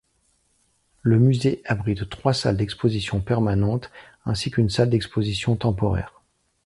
Le musée abrite trois salles d'exposition permanente ainsi qu'une salle d'exposition temporaire.